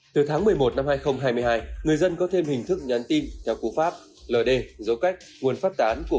từ tháng một mươi một năm hai nghìn hai mươi hai người dân có thêm hình thức nhắn tin theo cú pháp